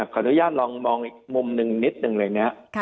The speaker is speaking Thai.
ขออนุญาตลองมองอีกมุมหนึ่งนิดนึงเลยนะ